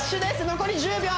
残り１０秒！